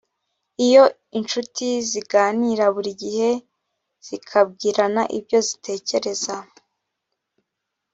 iyo incuti ziganira buri gihe zikabwirana ibyo zitekereza